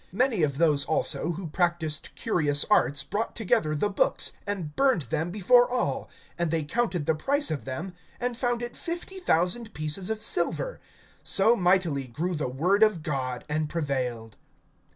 (19)Many of those also who practiced curious arts brought together the books, and burned them before all; and they counted the price of them, and found it fifty thousand pieces of silver. (20)So mightily grew the word of God and prevailed.